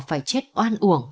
phải chết oan uổng